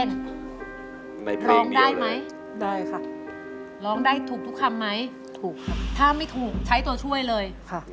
ร้องได้ไหมได้ค่ะร้องได้ถูกทุกคำไหมถูกครับถ้าไม่ถูกใช้ตัวช่วยเลยค่ะ